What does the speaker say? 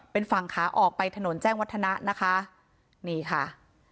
เป็นฝั่งขาออกไปถนนแจ้งวัฒนะนะคะนี่ค่ะ